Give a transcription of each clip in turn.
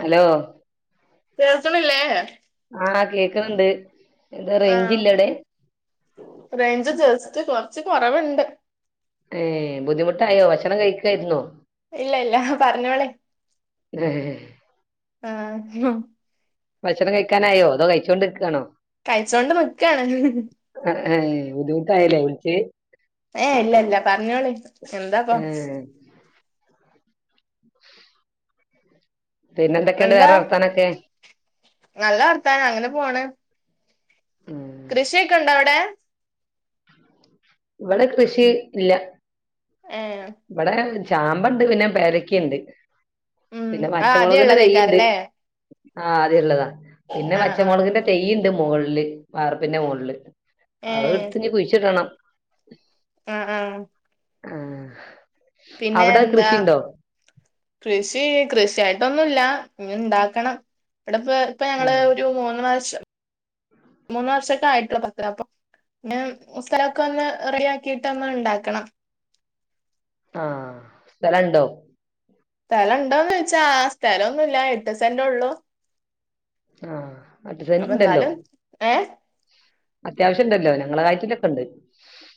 Hello കേൾക്ക്ണില്ലേ? ആഹ് കേക്ക്ണ് ണ്ട് ആറേഞ്ച് ജേസ്ററ് കൊറച്ച് കൊറവുണ്ട്. ഏബുദ്ധിമുട്ടായോ? ഭക്ഷണം കഴിക്കായിരുന്നോ? ഇല്ല ഇല്ല പറഞ്ഞോളിം ഏഹ് ആ ഭക്ഷണം കഴിക്കാനായോ അതോ കഴിച്ചുകൊണ്ടിരിക്കുകാണോ? കഴിച്ചോണ്ട് നിക്കാണ്. ആബുധിമുട്ടായല്ലേ വിളിച്ച്. ഏ ഇല്ല ഇല്ല പറഞ്ഞോളി എന്താപ്പ ഏഹ് പിന്നെ എന്തൊക്കെയുണ്ട് എന്താ വേറെ വർത്താനൊക്കെ നല്ല വർത്താന അങ്ങനെ പോണ്. ഉം കൃഷിയൊക്കെ ഉണ്ടോ അവിടെ? ഇവിടെ കൃഷി ഇല്ല ഏ ഇവിടെ ചാമ്പ ഉണ്ട് പിന്നെ പെരക്കിുണ്ട് ഉം പിന്നെ ആ ആദ്യം പച്ചമുളകിന്റെ തെയുണ്ട്. ഉള്ളതേക്കാരല്ലേ ആഹ് അത്ള്ളതാ പിന്നെ ആ ആ പച്ചമുളകിന്റെ തെയ്യുണ്ട് മുകളില് വാർുപ്പിന്റെ മുകളില് ഏ അത് എടുത്ത്നി കുഴിച്ചിട്ടണം. ആഹ ആഹ ഉം പിന്നെ എന്താ കൃഷി കൃഷിയായി പട്ടൊന്നുമല്ല ഇ ഇണ്ടാക്കണം ഇവിടെപ്പ ഇപ്പൊ ഞങ്ങള് ഉം ഒരു മൂന്ന് മാഷം. [inaudible] മൂന്ന് വർഷൊക്കെ ആയിട്ടുള്ളോ മത്ര അപ്പൊ പിന്നെ സ്ഥലമൊക്കെ ഒന്ന് ഇറിയക്കിട്ട്ന്ന ഉണ്ടാക്കണം ആഹ സ്ഥലുണ്ടോ? സ്ഥലംണ്ടോന്ന് ചോച്ചാ സ്ഥലംഒന്നുമില്ല എട്ട് സെന്റ ഉള്ളു. ആഹ എട്ട് സെന്റിണ്ടല്ലോ. എന്നാലും ഏഹ് അത്യാവശ്യം ഉണ്ടല്ലോ ഞങ്ങളെ കായറ്റിലൊക്കെ ഉണ്ട്.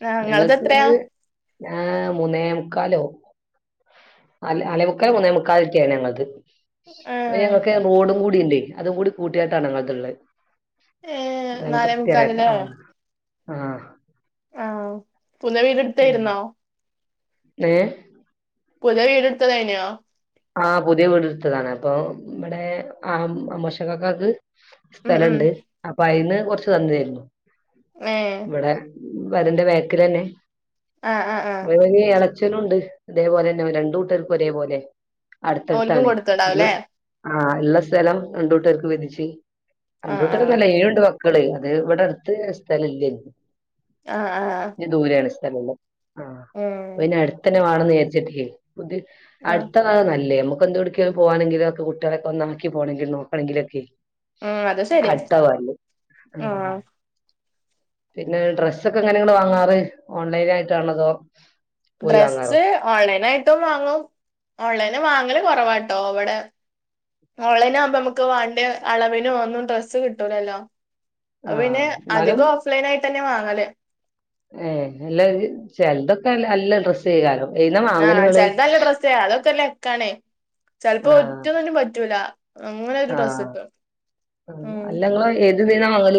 ആഹ നിങ്ങളത് എത്രയാ? ആഹ മുന്നേമുക്കാലോ നലോമുക്കാലോ? മുന്നേമക്കാലൊക്കെയാണ് ഞങ്ങളത്. ഏഹ് ഞങ്ങൾക്ക് റോഡും കൂടി ഉണ്ട് അതും കൂടി കൂട്ടിയായിട്ടാണ് ഞങ്ങള്ളത്. ഏഹ് ഞൻ നാലേ കൃത്യരത്തെ ആഹ ആഹ ആഹ പുന്ന വീടെടുത്തായിരുന്നോ? ഏ പുതിയ വിട് ടുത്ത തായിന ആ പുതിയ വീടടുത്തതാണ് അപ്പൊ ബടെ ആ അമ്മോശക്കാക്കാക്ക് ഉം ഉം സ്ഥലണ്ട് അപ്പൊയ്ന്ന് കൊറച്ച് തന്നയിരുന്നു. ഹേ. ന്റെ ബേക്കിലന്നെ. ആഹ ആഹ ആഹ. ച്ഛനുണ്ട് തേപോലെ ന്നെ രണ്ടൂട്ടർക്കും ഒരേപോലെ ഓൽക്കും അടുത്തടുത്താണ്. കൊടുത്തുണ്ടാവുല്ലേ ആ ഇള്ള സ്ഥലം രണ്ടൂട്ടുകർക്ക് വിതിച്ച് ആഹ് ആഹ് രണ്ടൂട്ടുർന്നല്ല ഏയുണ്ട് ക്കൾ അത് ഇവടടുത്ത് സ്ഥലല്ലനീ. ആ ആ. ആപിന്നെടുത്തന്നെ വാണംന്ന്ചാരിച്ചിട്ടേ പുതി ആഹ് നല്ലേ നമക്കന്തോടക്കെ പോണെങ്കിലക്കെ കുട്ടിളൊക്കെ ഒന്നാക്കി പോണെങ്കിൽ നോക്കണങ്കിലൊക്കെ ഉം അത് ശരിയാ അത്ത വലി ആ ആഹ് പിന്നെ ഡ്രെസ്സൊക്കെ ങ്ങനെങ്ങൾ വാങ്ങാറ് ഓൺലൈനായിട്ടാണതോ? ഡ്രസ്സ് ഓൺലൈനായിട്ടും വാങ്ങും ഓൺലൈ വാങ്ങല് കുറവാട്ടോ വടെ ഓണ്ലൈനവുമ്പോ നമുക്ക് വാണ്ട്യ അളവിനും ഒന്നും ഡ്രസ്സ് കിട്ടൂലല്ലോ. ആ അപ്പ പിന്നെ എന്നാലും അധികം ഓഫ്ലൈൻയിട്ടന്നെ വാങ്ങൽ. ഏ അല്ല ചെലതൊക്കെല്ല അല്ല ഡ്രസ്സയ്കാരം. ആഹ് ചെലതല്ല ഡ്രസ്സയ്ക്കാരം അതൊക്കെല്ലക്കാണേ. ചെൽപ്പോ ആ ഒറ്റന്നിന്നും പറ്റൂല അങ്ങനെ ഒരു ഡ്രസ് ഇട്ട് ആ അല്ലങ്ങൾ ഏത് തീന്നാ വാങ്ങൽ?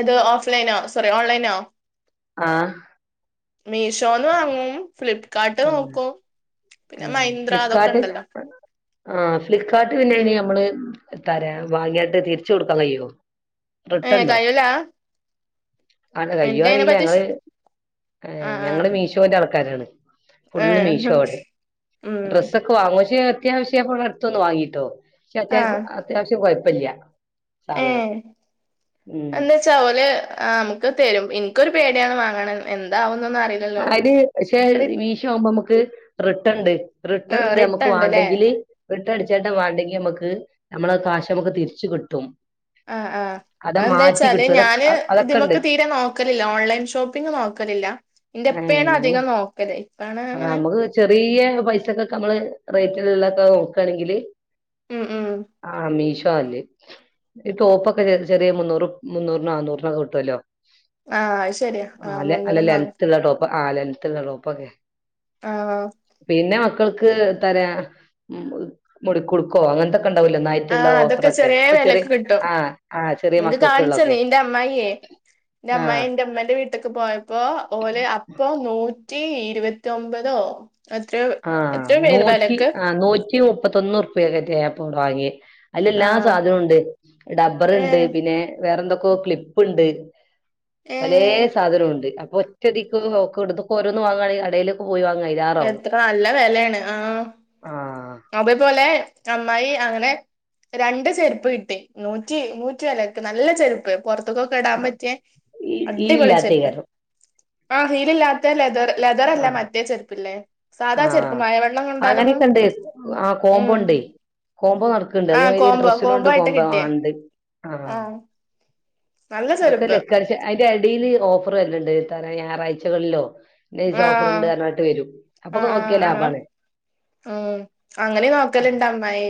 അത് ഓഫ്ലൈനോ സോറി ഓൺലൈനാ? ആ. മീഷോന്ന് വാങ്ങും ഫ്ലിപ്കാർട്ട് നോക്കും. പിന്നെ മൈന്ത്ര അതൊക്കെ ഫ്ലിപ്കാർട്ട് ഇണ്ടല്ലോ ആ ഫ്ലിപ്കാർട്ട് പിന്നെന് നമ്മള് തരാ വാങ്ങയിട്ട് തിരിച്ചൊടുക്കാൻ കയ്യോ? ഏ കയ്ലാ? ആ കയ്യോറില ഞങ്ങള് ആഹ് ഞങ്ങള് ആഹ് മീശോന്റെൾക്കാരാണ്. ഫുള്ള് ഏഹ് മീശോ വ്ടെ. ഉം ഡ്രസ്സക്കെ വാങ്ങും ചെയ് അത്യാവശ്യം അപ്പടുത്തൊന്ന് വാങ്ങിട്ടോ. പക്ഷെ അത്യാവ അത്യാവശ്യ കൊയ് പ്പല്ല്യാ. ഏ ഉം എന്താച്ച അവല് നമുക്ക് തരും. ക്കൊരു പേടിയാ വാങ്ങണ എന്താ അത് ക്ഷെ മീശാവുമ്പോ നമക്ക് റിട്ടൺണ്ട്. ആഹ് റിട്ടേൺണ്ട് റിട്ടൺ നമ്മുക്ക് ഉണ്ട്ല്ലേ വാണ്ടെങ്കില് റിട്ടണടിച്ചിട്ട് വേണ്ടങ്കിമക്ക് നമ്മളെ കാശമക്ക് തിരിച്ച് കിട്ടും. ആഹ് ആഹ് അത മാറ്റി അതെന്താച്ചാല് കിട്ടും അതൊ ഞാന് അതൊക്കെ ഉണ്ട് ഇതിമ്മക്ക് തീരെ നോക്കലില്ല ഓൺലൈൻ ഷോപ്പിംഗ് നോക്ക ക്കലില്ല ന്റെപ്പേണ് അധികം നോക്കല്. ഇപ്പാണ് ആ അങ്ങനെ മ്മക്ക് ചെറിയ പൈസക്കെക്കെ മ്മള് റേറ്റിൽ ള്ളൊക്കെ നോക്കണെങ്കില് ഉം ഉം ആ മീശോ ല്ലെ ഈ ടോപ്പൊക്കെ ചെറിയ മുന്നൂറ് മുന്നൂറിനാന്നൂറിനൊക്കെ കിട്ടുല്ലോ. ആഹ് അത് ശരിയാ ആഹ് ആല്ല അല്ല മുന്നൂറ് നാന്നൂ ലെൻത്തള്ള ടോപ്പ ആ ലൻത്തിള്ള ടൊപ്പക്കെ. ആഹ് പിന്നെ മക്കൾക്ക് തരാ മുടിക്കുടുക്കോ അങ്ങനത്തെ ണ്ടാവലോ നൈറ്റള്ള ആഹ് അതൊക്കെ ഓഫറക്കെ ചെറിയ പ്പൊ ചെറി വെലക്ക് കിട്ടും ആ ആ ചെറിയ മക്കക്കെള്ള ക്കെ. ന്റെ അമ്മായി ന്റെ മ്മന്റെ വീട്ടക്കെ പോയപ്പോ ഓൽ അപ്പൊ നൂ റ്റി ഇരുപത്തിയൊമ്പതോ ആ നൂറ്റി ആ നൂറ്റി മുപ്പത്തൊന്ന് റുപ്പ്യൊവരെക്കെ ഞാന് വാങ്ങി. അയ്ലല്ലാ ആഹ് സാധനുണ്ട് ഡബ്ബർണ്ട് ഏഹ് പിന്നെ വേറെന്തൊക്കോ ക്ലിപ്പുണ്ട്. പലേ ഏഹ് സാധനുണ്ട്. അപ്പൊ ഒറ്റടിക്ക് ഓക്ടുന്ന ഓരോന്ന് വാങ്ങണെങ്കിൽ കടേല് പോയിവാങ്ങാ അയിലേറാകും എത്ര നല്ല വെലയാണ് ആ ആഹ് അതു പോലെ അമ്മായി അങ്ങനെ രണ്ട് ചെരുപ്പ് കിട്ടി നൂറ്റി നൂറ്റി വെലക്ക് നല്ല ചെരുപ്പ്. പുറത്ത്ക്കൊക്കെ ഇടാൻ പറ്റിയ ഈ അടിപ്പൊളി ചെരുപ്പ് ഈരില്ലാത്തേയ്ക്കാരം ആ ഹീലില്ലാത്ത ലെതറ് ലെതറ അല്ല മറ്റേ ചെര്പ്- ആ കൊണ്ടാലൊന്നും അങ്ങനെയൊക്കെ ഇണ്ട് ആ കോമ്പോ ഉം ഇണ്ടേ. കോംബോ നടക്ക്ണ്ട് ആ അതേമാതിരി കോംബോ ഡ്രസ്സിലും കോംബോ ഇണ്ട് ആയിട്ട് കോംമ്പോ ആ കിട്ടിയേ ണ്ട് ആ നല്ല ഒക്കെ ചെരുപ്പ് ലക്കട്ച്ചല് അതിന്റെ എടീല് ഓഫറ് വരല്ണ്ട് എത്ത ഞായറാഴ്ചകളിലോ നൈസ് ആ ഓഫറ്ണ്ട് ന്ന് പറഞ്ഞ്കാണ്ട് വരും ആ അപ്പൊക്ക നോക്കിയാ ലാഭം അങ്ങനെ ആണ്. ആ അങ്ങനെ നോക്കലുണ്ട് അമ്മായി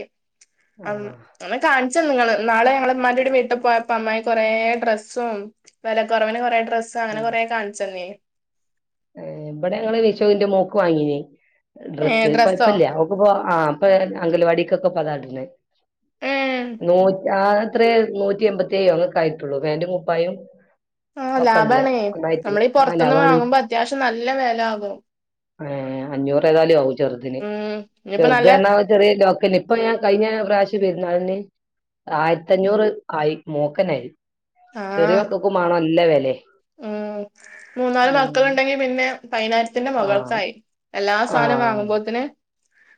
ഉം ആഹ് എന്നെ കാണിച്ച് ങ്ങള് ന്നാള് ഞങ്ങള് മ്മാന്റെ കൂടെ വീട്ടി പോയപ്പോ അമ്മായി കുറേ ഡ്രസ്സും. വെല കുറവിന് കുറെ ഡ്രസ്സ് അങ്ങനെ കൊറേ കാണിച്ചു തന്നീനി. ഏ ഇവിടെ ഞങ്ങള് വിഷൂന് ന്റെ മോക്ക് വാങ്ങീനി. ഏ ഡ്രസ്സ് ഡ്രസ്സോ കൊഴപ്പില്ല അവക്ക് പോ ആ പ്പോ അംഗനവാടിയില്ക്കൊക്കെ അതാ ട്ന്നെ. ഉം [unintelligible] ആത്രേ നൂറ്റി എമ്പത്തിയ്യോ അങ്ങെത്രേ ആയിട്ടുള്ളൂ ഫേന്റും കുപ്പായും. ആ ഒക്കെള്ളെ ലാഭാണ്. ഒന്നായിട്ട് നമ്മളീ ആഹ് പുറത്തൊന്ന് വാങ്ങുമ്പോ അത്യാവശ്യം നല്ല വെല ആകും. ഏ അഞ്ഞൂറ് ഏതായാലും ആവും ചെറുതിന്. ഉം ഇനിയിപ്പോ ചെറുത് നല്ല ന്ന പറഞ്ഞ ചെറിയ ലോക്കില്ലേ ഇപ്പ ഞാ കഴിഞ്ഞ പ്രാശ്യം പെരുന്നാളിന് ആയിരത്തഞ്ഞൂറ് ആയി മോക്കെന്നായി. ആ ചെറിയ മക്കക്കും വാണം നല്ല വെല് ഉം മൂന്നാല് മക്കളുണ്ടെങ്കി പിന്നെ പതിനായിരത്തിന്റെ ആഹ് മകൾക്കായി എല്ലാ സാധനും വാങ്ങുമ്പോത്തിന്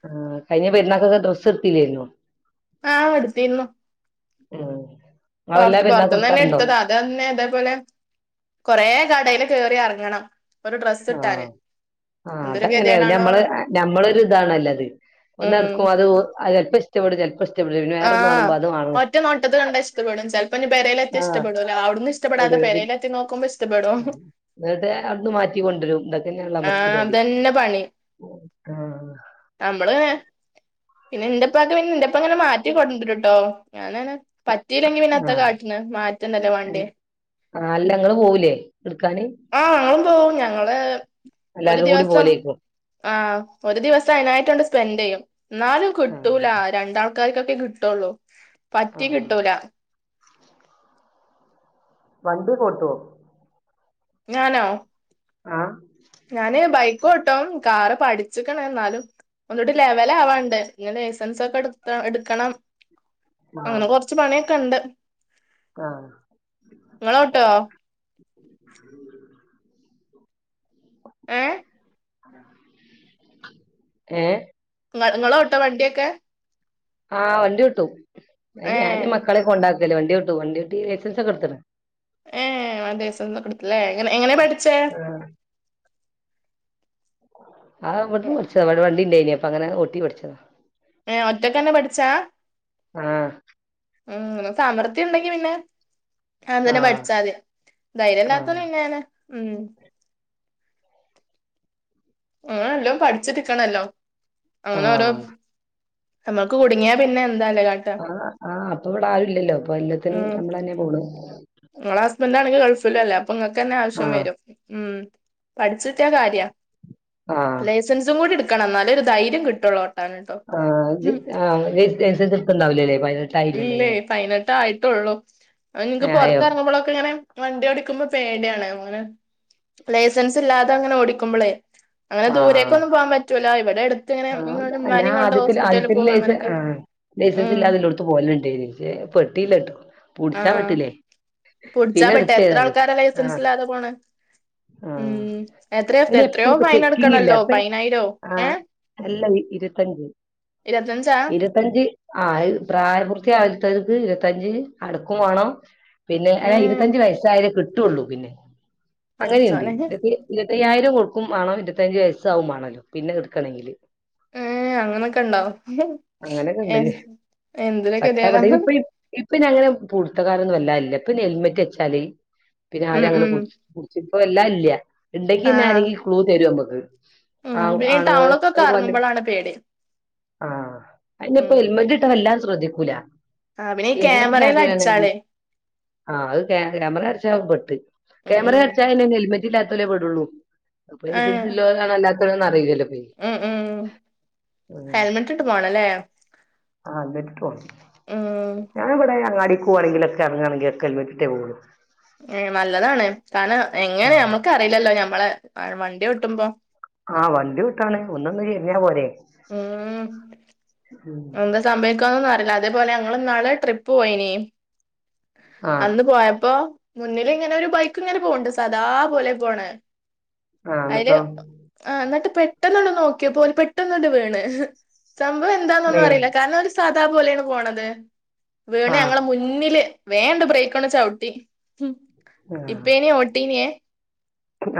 ആ കഴിഞ്ഞ പെര്ന്നാള്ക്കൊക്കെ ഡ്രസ് എടുത്തില്ലാരുന്നോ? ആ ആ പറത്ത് പാറത്ത്ന്ന് തന്നെ എടുത്തതാ അത തന്നെ അതേപോലെ കൊറേ കടെയില് കയറി എറങ്ങണം ഒരു ഡ്രസ്സ് ഇട്ടാന്. ആ എന്തൊരു അതങ്ങനെയ ഗതികേടാണോ മ്മള് ഞമ്മളൊരു ഇതാണല്ലോ അത് ഉം ഒന്നെട്ക്കും അത് അത് [unintelligible] [unintelligible] ചെലപ്പോ ഇഷ്ട് ആ ഒറ്റ നോട്ടത്ത് കണ്ട ഇഷ്ടപടും ചെലപ്പോ ഇഞ് പേരയിലെത്തി ആഹ് ഇഷ്ടപ്പെടൂല അവിടന്ന് ഇവിടെ ഇഷ്ടപ്പെടാത്തെ പേരയില് എത്തി നോക്കുമ്പോ ഇഷ്ടപ്പെടും. കൊണ്ടെരും ഇതൊക്കെതന്നെയാണല്ലാ നമ്മക്ക് ആഹ് ചോലി. അതന്നെ പണി നമ്മള് പിന്നെ എന്റപ്പാക്ക് പിന്നെ എന്റെപ്പ ഇങ്ങനെ മാറ്റി കൊണ്ടോരുംട്ടോ ഞാനാണ് പറ്റിയില്ലെങ്കി പിന്നെ എത്താ ആഹ് കാട്ടണ്. മാറ്റെന്നല്ലേ വാണ്ടി. ആ അല്ല നിങ്ങ പോവൂലേ? എടുക്കാന് ആ ഞങ്ങളും പോവും ഞങ്ങള് ഒരു എല്ലാരും കൂടി ദിവസം. പോവലേക്കും ആ ഒരു ദിവസം അയിനായിട്ടാണ്ട് ആ സ്പെൻഡ് ചെയ്യും. എന്നാലും ആഹ് കിട്ടൂല രണ്ടാൾക്കാർക്കൊക്കെ കിട്ടുള്ളൂ പറ്റി ആഹ് കിട്ടൂല വണ്ടി ഓട്ടുവോ ഞാനോ ആ ട്ടും കാറ് പഠിച്ചിക്ക്ണ്. എന്നാലും ഒന്നൂടി ലെവല് ആവാണ്ട്. ഇഞ് ലൈസൻസ് ഒക്കെ എടുത്ത എടുക്കണം ആഹ് അങ്ങനെ കൊറച്ച് പണിയൊക്കെ ഇണ്ട് ആഹ് നിങ്ങളോട്ടോ? ഏഹ് ഏ ങ്ങ ങ്ങളോട്ടോ വണ്ടിയൊക്കെ? ആ വണ്ടി ഓട്ടും ഞാനാ ഏഹ് മക്കളെ കൊണ്ടാക്കല് വണ്ടി ഓട്ടും വണ്ടി ഓട്ടി ലൈസൻസ്. ഒക്കെടുത്തുക്ക്ണ്. [unintelligible] എങ്ങനെയ പഠിച്ചേ? ആ വിടുന്ന് പഠിച്ചതാ ഇവിടെ വണ്ടി ഇണ്ടായീനി അപ്പൊ അങ്ങനെ ഓട്ടി പഠിച്ചതാ. ഏ ഒറ്റക്കന്നെ പഠിച്ചാ ആഹ ഉം സമൃദ്ധിണ്ടെങ്കിൽ പിന്നെ അതന്നെ ആഹ് പഠിച്ചാമതി ധൈര്യംല്ലാത്തോന്ന് ആഹ് പിന്നെ ഉം അങ്ങനെല്ലോ പഠിച്ചിരിക്കണല്ലോ അങ്ങനെ ഓരോ ആഹ് നമ്മക്ക് കുടുങ്ങിയാ പിന്നെ എന്താല്ലേ കാട്ടാ ആ ആ അപ്പോവിവിടെ ആരുല്ലല്ലോ അപ്പോല്ലാത്തിനും ഉം നമ്മൾ തന്നെ പോന്നത് നിങ്ങളെ ഹസ്ബൻന്റാണെങ്കിൽ ഗൾഫിലും അല്ലേ അപ്പോ നിങ്ങൾക്ക് തന്നെ ആവശ്യം ആഹ് വരും ഉം പഠിച്ചിട്ടിയാ കാര്യ ആഹ് ലൈസൻസും കൂടി എടുക്കണം എന്നാലേ ഒരു ധൈര്യം കിട്ടുള്ളൂ ഓട്ടാന്ട്ടോ ആ ഇജ്ജ് ആ ലൈസൻസെത്തുണ്ടാവില്ലാലെ ഇല്ലേ പതിനെട്ടേ ആയിട്ടുള്ളൂ നിങ്ങക്ക് ഏഹ് ആയോ പുറത്തിറങ്ങുമ്പോളൊക്കെ ഇങ്ങനെ വണ്ടി ഓടിക്കുമ്പോ പേടിയാണ് അങ്ങനെ ലൈസൻസ് ഇല്ലാതെ അങ്ങനെ ഓടിക്കുമ്പോളേ അങ്ങനെ ദൂരേക്കൊന്നും പോവാൻ പറ്റൂല ഇവിടെടുത്ത് ആ ഞാൻ ആദ്യത്തിൽ ആദ്യത്തിൽ പോകും ലൈസ അങ്ങനൊക്കെ ആ ലൈസൻസ് ഉം ഇല്ലാതെു എല്ലോട്ത്തും പോകലുണ്ട് പെട്ടിലാട്ടോ പുടിച്ചാ ആഹ് പെട്ടില്ലേ പുടിച്ചാ പിന്നെ പെട്ടെ എടുത്ത് എത്ര ഏതായാലും ആൾക്കാരാ ലൈസൻസ് ആഹ ഇല്ലാതെ പോണെ ആ ഉം എത്രയോ എത്രയോ എപ്പേളും ഇപ്പ ഫൈൻ ചെക്കിങ്ങില്ല അടക്കണല്ലോ അപ്പ പതിനായിരോ ആ ഏഹ് അല്ല ഇരുപത്തഞ്ച് ഇരുപത്തഞ്ചാ ഇരുത്തഞ്ച് ആ പ്രായപൂർത്തി ആഴത്തിൽക്ക് ഇരുപത്തഞ്ച് അടുക്കും വേണം പിന്നെ ഉം ഇരുപത്തഞ്ച് വയസ്സായാലേ കിട്ടുള്ളൂ പിന്നെ അങ്ങനെയുണ്ട് പടച്ചോനെ അയ്യായിരം കൊടുക്കുമാണം ഇരുപത്തഞ്ച് വയസ്സാവുംമാണല്ലോ പിന്നെ എടുക്കണെങ്കിൽ ഏ അങ്ങനൊക്കെണ്ടാവും ഏ അങ്ങനെയൊക്കെണ്ട് വട്ടവടയിൽ എന്തൊരുക്കെതീടാന്നാ ഇപ്പൊ ഇപ്പൊ പിന്നെ അങ്ങനെ പുടുത്തക്കാരൊന്നും വല്ലാതെ ഇല്ല ഇപ്പം പിന്നെ ഹെൽമെറ്റ് വെച്ചാൽ പിന്നെ ഉം ആരങ്ങനെ ഉം പു വല്ലാതെയില്ല ഇണ്ടെങ്കിൽ തന്നെ ആഹ് ആരെങ്കിൽ ക്ലൂ തരും നമ്മക്ക് ഉം ആ പിന്നെ ഈ ആണുങ്ങള്‍ [unintelligible] പേടി ആഅയിനിപ്പോ ഉം എല്മറ്റിട്ടാൽ വല്ലാതെ ശ്രദ്ധിക്കൂല ആഹ് പിന്നെ ഈ ക്യാമറേല് ഹെൽമറ്റിലാത്തൊരണങ്കിൽ അടിച്ചാലേ ആഹ അത് ക്യാമറ അടച്ച പെട്ട് ഉം ക്യാമറ ഉം അടച്ചാൽ ഹെൽമറ്റ് ഹെൽമറ്റില്ലാത്തൊലേ പെടുള്ളൂ അപ്പൊ ഏഹ് ലൈസൻസിള്ളോരാണോ അല്ലാത്തോരാണോ അറിയില്ലല്ലോ ഉം ഉം ഉം ഹെൽമെറ്റ് ഇട്ട് പോണല്ലേ ആ [unintelligible] ഉം ഞാൻ ഇവിടെ അങ്ങാടി പോവാണെങ്കിലോക്കെ ഇറങ്ങുകണെങ്കിലോക്കെ ഹെൽമറ്റിട്ടേ പോകുള്ളു ഏ നല്ലതാണ് കാരണം എങ്ങനെ ആഹ് നമ്മൾക്ക് അറിയില്ലല്ലോ ഞമ്മളെ വണ്ടി ഓട്ടുമ്പോ ആഹ് വണ്ടി വിട്ടാണ് ഒന്നൊന്ന് ചെരിഞ്ഞാ പോരെ ഉം ഉം എന്താ സംഭവിക്കാന്നൊന്നും അറിയില്ല അതേപോലെ ഞങ്ങൾ ഇന്നാൾ ട്രിപ്പ് പോയിനി ആഹ് അന്ന് പോയപ്പോ മുന്നിൽ ഇങ്ങനെ ഒരു ബൈക്ക് ഇങ്ങനെ പോകണ്ട് സാദാ പോലെ പോണത് ആഹ് അയിൽ എന്നിട്ടോ ആ എന്നിട്ട് പെട്ടെന്നാണ്ട് നോക്കിയപോൾ പെട്ടെന്നണ്ട് വീണ് സംഭവം മേ എന്താന്നൊന്നും അറിയില്ല കാരണം ഒരു സാദാ പോലെയാണ് പോണത് വീണ് ആഹ് ഞങ്ങളെ മുന്നിൽ വേ അണ്ട് ബ്രേക്ക്കൊന്ന് ചവിട്ടി ആഹ് ഇപ്പേനി ഔട്ടീനിയേ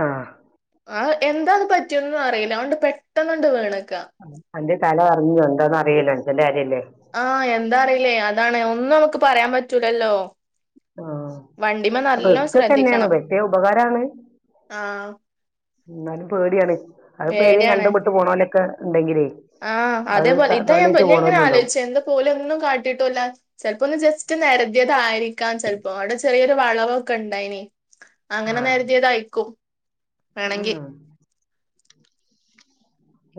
ആഹ് ആ എന്താന പറ്റിയെന്ന് അറിയില്ല അതാണ്ട് പെട്ടെന്നാണ്ട് വീണ് അന്റെ തല അറിഞ്ഞുണ്ടോന്ന് അറിയില്ലേ ആഹ എന്താ അറിയില്ലേ അതാണ് ഒന്നും നമുക്ക് പറയാൻ പറ്റൂലല്ലോ ആ വണ്ടിമ്മ അപ്പൊ നല്ലോ ഇക്കെ തന്നെയാണ് ശ്രദ്ധിക്കണം പെട്ടേ ഉപകാരാണ് ആഹ് എന്നാലും പേടിയാണ് അതിപ്പോ ഏതേങ്കിലും പേടിയാണ് കണ്ടംപെട്ട് പോണലൊക്കെ ഉണ്ടെങ്കിലേ ആഹ് അത് അതേപോലെ ത- ഇതാ തള്ളിയിട്ട് ഞാൻ ഇങ്ങനെ പോണോലും ഉണ്ടാവും ആലോചിച്ചു എന്താ പോലും ഒന്നും കാട്ടിട്ടുംല്ല ചിലപ്പോന്ന് ജസ്റ്റ് ഇറ്റ് നേരതിയതായിരിക്കാം ചിലപ്പോ അവിടെ ചെറിയൊരു വളവൊക്കെണ്ടായിനി അങ്ങനെ ആഹ് നേരതിയതായിരിക്കും വേണെങ്കിൽ ആഹ്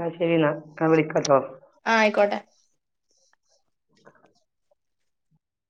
ആ ശരിന ക വിളിക്കട്ടോ. ആഹ ആയിക്കോട്ടെ. [unintelligible]